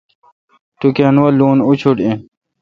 ٹوکان وا لون اوشٹ این۔